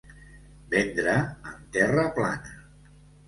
Vendre en terra plana.